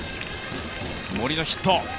森のヒット。